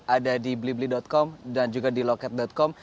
ada di blibli com dan juga di loket com